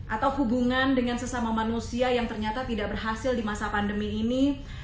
atau hubungan dengan sesama manusia yang ternyata tidak berhasil di masa pandemi ini